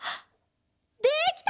できた！